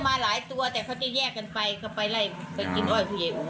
มาหลายตัวแต่เขาจะแยกกันไปก็ไปไล่ไปกินอ้อยผู้หญิง